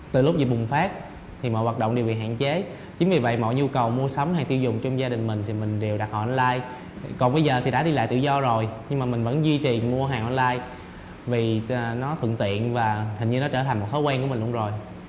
từ lúc dịch bùng phát thì mọi hoạt động đều bị hạn chế chính vì vậy mọi nhu cầu mua sắm hay tiêu dùng trong gia đình mình thì mình đều đặt họ online còn bây giờ thì đã đi lại tự do rồi nhưng mà mình vẫn duy trì mua hàng online vì nó thuận tiện và hình như nó trở thành một thói quen của mình luôn rồi